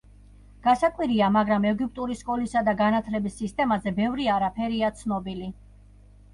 გასაკვირია, მაგრამ ეგვიპტური სკოლისა და განათლების სისტემაზე ბევრი არაფერია ცნობილი.